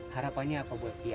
harapannya apa buat pia